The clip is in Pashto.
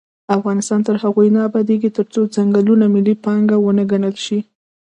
افغانستان تر هغو نه ابادیږي، ترڅو ځنګلونه ملي پانګه ونه ګڼل شي.